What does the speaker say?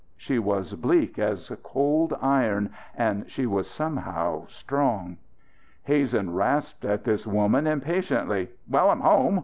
She was bleak as cold iron and she was somehow strong. Hazen rasped at this woman impatiently: "Well, I'm home!